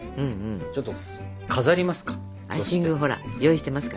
ちょっと飾りますか？